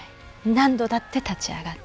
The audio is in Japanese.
何度だって立ち上がって。